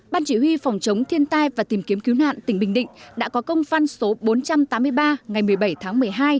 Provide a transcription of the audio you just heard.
ban chỉ huy phòng chống thiên tai và tìm kiếm cứu nạn tỉnh bình định đã có công văn số bốn trăm tám mươi ba ngày một mươi bảy tháng một mươi hai